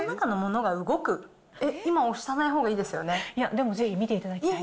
えっ、今、でもぜひ見ていただきたい。